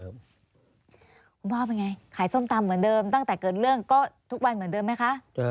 คุณพ่อเป็นไงขายส้มตำเหมือนเดิมตั้งแต่เกิดเรื่องก็ทุกวันเหมือนเดิมไหมคะ